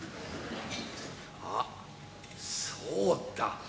あっそうだ。